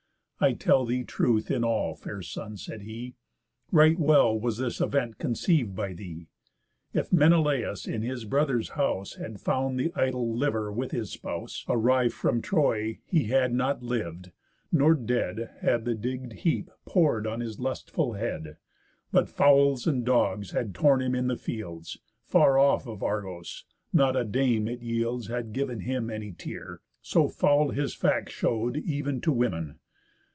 "I'll tell thee truth in all, fair son," said he: "Right well was this event conceiv'd by thee. If Menelaus in his brother's house Had found the idle liver with his spouse, Arriv'd from Troy, he had not liv'd, nor dead Had the digg'd heap pour'd on his lustful head, But fowls and dogs had torn him in the fields, Far off of Argos; not a dame it yields Had giv'n him any tear, so foul his fact Show'd ev'n to women.